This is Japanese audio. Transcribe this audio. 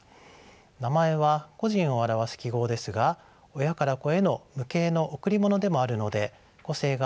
名前は個人を表す記号ですが親から子への無形の贈り物でもあるので個性があっても構いません。